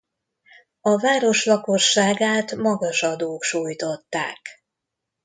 A város lakosságát magas adók sújtották.